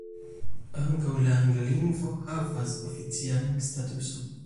Ankaŭ la angla lingvo havas oficialan statuson.